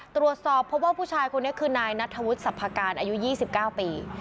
ตรวจสอบเพราะว่าผู้ชายคนนี้คือนายนัทธวุฒิสรรพการอายุ๒๙ปี